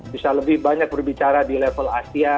bisa lebih banyak berbicara di level asia